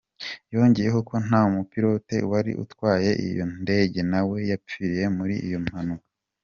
Yongeyeho ko n'umupilote wari utwaye iyo ndege na we yapfiriye muri iyo mpanuka.